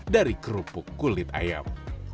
dari kerupuk kulit ayam